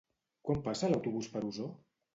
Quan passa l'autobús per Osor?